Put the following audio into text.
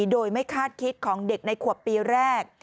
โดยไม่คาดคิดของเด็กในขวบปีแรก